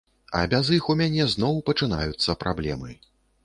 А без іх у мяне зноў пачынаюцца праблемы.